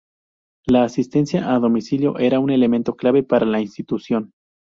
La asistencia a domicilio era un elemento clave para la institución.